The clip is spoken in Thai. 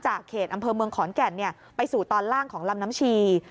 เขตอำเภอเมืองขอนแก่นไปสู่ตอนล่างของลำน้ำชี